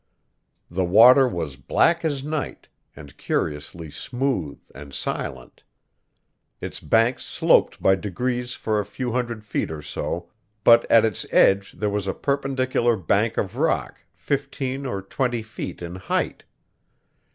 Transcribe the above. The water was black as night, and curiously smooth and silent. Its banks sloped by degrees for a hundred feet or so, but at its edge there was a perpendicular bank of rock fifteen or twenty feet in height.